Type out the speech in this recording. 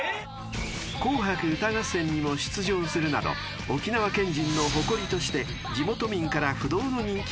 ［『紅白歌合戦』にも出場するなど沖縄県人の誇りとして地元民から不動の人気を獲得しました］